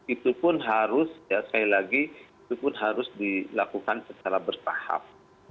itu pun harus sekali lagi dilakukan secara bertahap